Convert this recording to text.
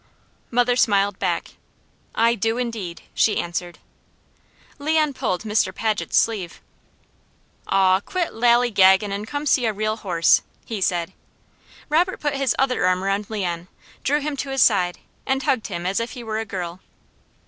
Mother smiled back. "I do, indeed!" she answered. Leon pulled Mr. Paget's sleeve. "Aw quit lally gaggin' and come see a real horse," he said. Robert put his other arm around Leon, drew him to his side and hugged him as if he were a girl.